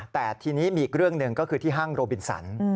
แต่ทีนี้มีอีกเรื่องหนึ่งก็คือที่ห้างโรบินสัน